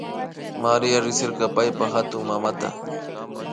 Maria riksirka paypa hatunmamata